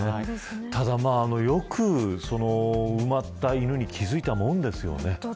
ただ、よく埋まった犬に気付いたものです。